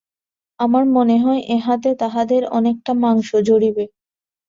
আমার মনে হয় ইহাতে তাহাদের অনেকটা মাংস ঝরিবে।